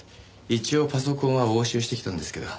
一応パソコンは押収してきたんですけど。